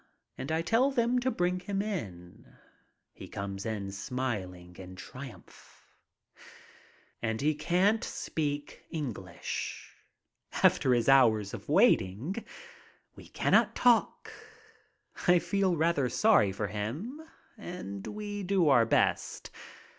And I tell them to bring him in. He comes in smiling in triumph. And he can't speak English. After his hours of waiting we cannot talk. I feel rather sorry for him and we do our best.